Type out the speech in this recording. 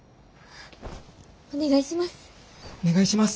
お願いします！